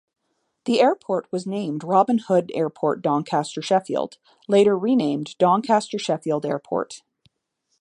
The airport was named Robin Hood Airport Doncaster Sheffield, later renamed Doncaster Sheffield Airport.